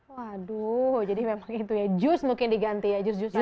waduh jadi memang itu ya jus mungkin diganti ya jus jus ya